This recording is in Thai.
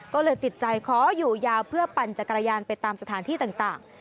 ก็เลยติดใจขออยู่ยาวเพื่อปั่นจักรยานไปตามสถานที่ต่าง